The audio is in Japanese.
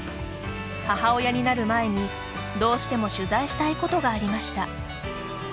母親になる前に、どうしても取材したいことがありました。